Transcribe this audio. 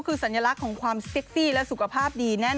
คือสัญลักษณ์ของความเซ็กซี่และสุขภาพดีแน่น